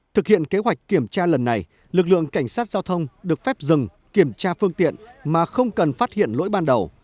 thực hiện kế hoạch kiểm tra lần này lực lượng cảnh sát giao thông được phép dừng kiểm tra phương tiện mà không cần phát hiện lỗi ban đầu